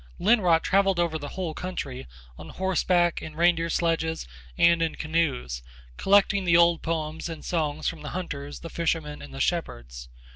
Lonnrot travelled over the whole country, on horseback, in reindeer sledges and in canoes, collecting the old poems and songs from the hunters, the fishermen and the shepherds.